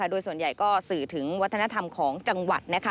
โดยส่วนใหญ่ก็สื่อถึงวัฒนธรรมของจังหวัด